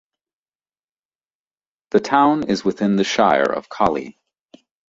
The town is within the Shire of Collie.